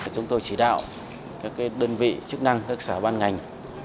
chúng tôi chỉ đạo các đơn vị chức năng các sở ban ngành